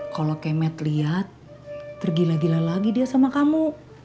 kalau kemet lihat tergila gila lagi dia sama kamu